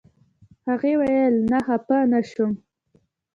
هغې ویل نه خپه نه شوم.